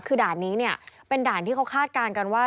คือด่านนี้เนี่ยเป็นด่านที่เขาคาดการณ์กันว่า